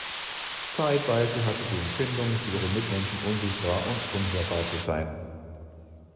Zeitweise hat sie die Empfindung, für ihre Mitmenschen unsichtbar und unhörbar zu sein.